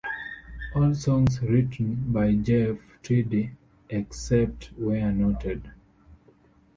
All songs written by Jeff Tweedy except where noted.